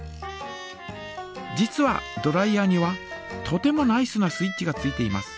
実はドライヤーにはとてもナイスなスイッチがついています。